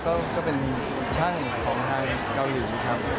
ก็เป็นช่างของทางเกาหลีครับ